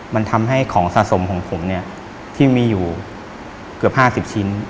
มันทำให้ของสะสมของผมเนี่ยที่มีอยู่เกือบ๕๐ชิ้น